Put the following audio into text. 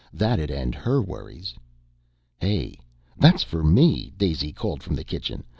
That'd end her worries." "Hey, that's for me," Daisy called from the kitchen.